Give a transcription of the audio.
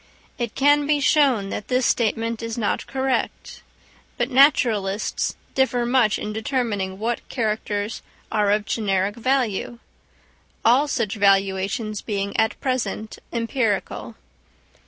It can be shown that this statement is not correct; but naturalists differ much in determining what characters are of generic value; all such valuations being at present empirical.